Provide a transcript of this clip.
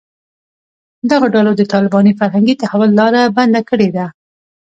دغو ډلو د طالباني فرهنګي تحول لاره بنده کړې ده